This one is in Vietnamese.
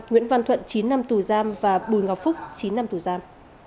nguyễn văn thuận chín năm tù giam và bùi ngọc phúc chín năm tù giam